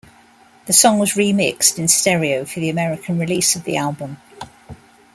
The song was remixed in stereo for the American release of the album.